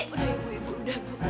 udah ibu udah bu